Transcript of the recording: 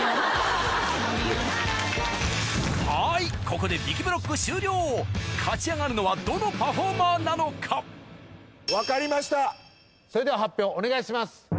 はいここでびきブロック終了勝ち上がるのはどのパフォーマーなのか分かりましたそれでは発表お願いします